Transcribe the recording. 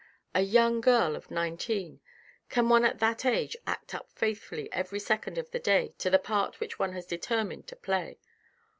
A young girl of nineteen ! Can one at that age act up faithfully every second of the day to the part which one has determined to play.